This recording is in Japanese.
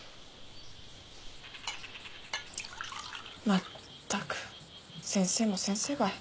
まったく先生も先生ばい。